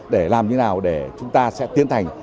để làm như thế nào để chúng ta sẽ tiến hành